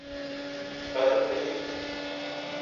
Стань на цей бік.